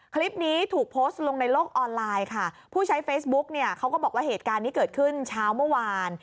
คลิปนี้ถูกโพสต์ลงในโลกออนไลน์ค่ะผู้ใช้เฟซบุ๊กเนี่ยเขาก็บอกว่าเหตุการณ์นี้เกิดขึ้นเช้าเมื่อวาน